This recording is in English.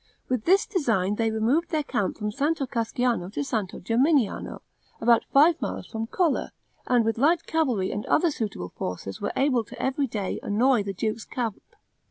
With this design they removed their camp from Santo Casciano to Santo Geminiano, about five miles from Colle, and with light cavalry and other suitable forces were able every day to annoy the duke's camp.